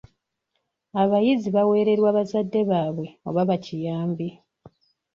Abayizi baweererwa bazadde baabwe oba bakiyambi.